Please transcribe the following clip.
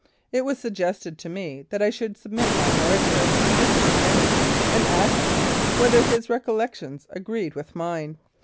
It was suggested to me that I should submit my narrative to Mr. McKenzie, and ask him whether his recollections agreed with mine.